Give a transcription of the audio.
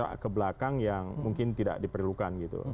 sebuah gerak ke belakang yang mungkin tidak diperlukan gitu